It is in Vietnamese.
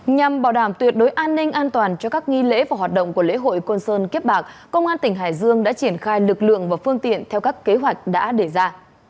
nhằm bảo đảm tuyệt đối an ninh an toàn cho các nghi lễ và hoạt động của lễ hội côn sơn kiếp bạc công an tỉnh hải dương đã triển khai lực lượng và phương tiện theo các kế hoạch đã đề ra